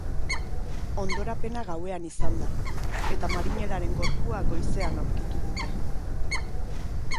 Hondorapena gauean izan da, eta marinelaren gorpua goizean aurkitu dute.